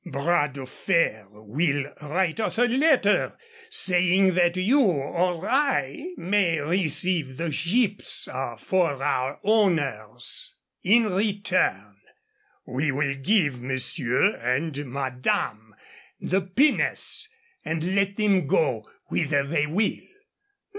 Bras de Fer will write us a letter saying that you or I may receive the ships for our owners. In return we will give monsieur and madame the pinnace and let them go whither they will."